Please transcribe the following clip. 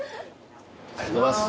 ありがとうございます。